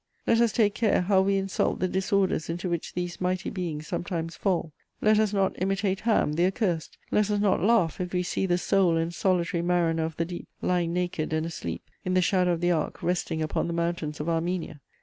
Let us take care how we insult the disorders into which these mighty beings sometimes fall: let us not imitate Ham, the accursed; let us not laugh if we see the sole and solitary mariner of the deep lying naked and asleep, in the shadow of the Ark resting upon the mountains of Armenia.